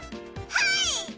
はい！